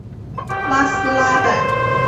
拉斯拉代。